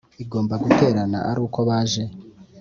Igomba guterana ari uko baje